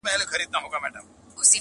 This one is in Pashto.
میاشتي ووتې طوطي هسی ګونګی وو٫